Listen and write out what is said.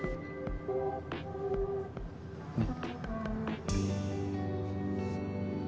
うん。